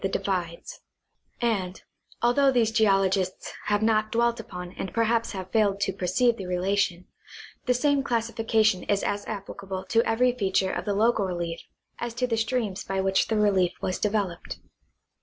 33 the divides ; and, although these geologists have not dwelt upon and perhaps have failed to perceive the relation, the same classi fication is as applicable to every feature of the local relief as to the streams by which the relief was developed.